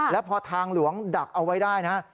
แล้วพอทางหลวงดักเอาไว้ได้นะ